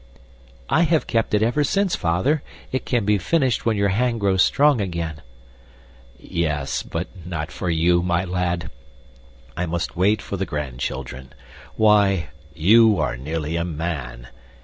"I have kept it ever since, Father. It can be finished when your hand grows strong again." "Yes, but not for you, my lad. I must wait for the grandchildren. Why, you are nearly a man.